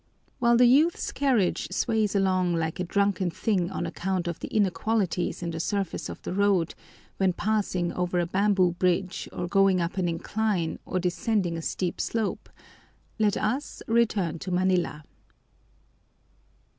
While the youth's carriage sways along like a drunken thing on account of the inequalities in the surface of the road when passing over a bamboo bridge or going up an incline or descending a steep slope, let us return to Manila.